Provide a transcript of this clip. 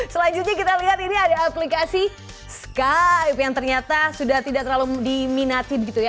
selanjutnya kita lihat ini ada aplikasi skype yang ternyata sudah tidak terlalu diminati begitu ya